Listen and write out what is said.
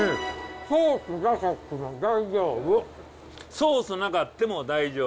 ソースなかっても大丈夫。